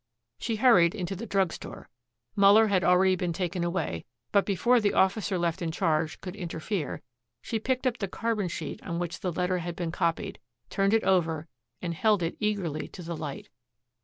She hurried into the drug store. Muller had already been taken away, but before the officer left in charge could interfere she picked up the carbon sheet on which the letter had been copied, turned it over and held it eagerly to the light.